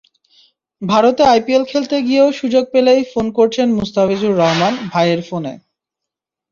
ভারতে আইপিএল খেলতে গিয়েও সুযোগ পেলেই ফোন করছেন মুস্তাফিজুর রহমান, ভাইয়ের ফোনে।